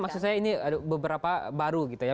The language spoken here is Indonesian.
maksud saya ini beberapa baru gitu ya